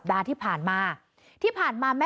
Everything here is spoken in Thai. คุณสาวของเราค่ะเดินทางไปดูที่บ้านในแม็กซ์หน่อยค่ะ